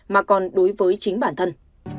mà còn đối với chính bản thân